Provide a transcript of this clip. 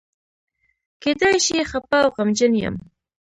کېدای شي خپه او غمجن یم.